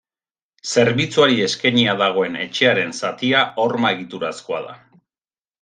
Zerbitzuari eskainia dagoen etxearen zatia horma-egiturazkoa da.